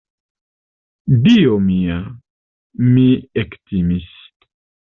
Dio mia!, mi ektimis!